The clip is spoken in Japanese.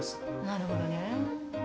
なるほどね。